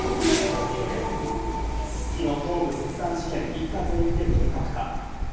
すすきの頭部切断事件、一家全員で計画か。